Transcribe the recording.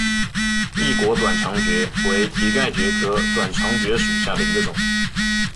异果短肠蕨为蹄盖蕨科短肠蕨属下的一个种。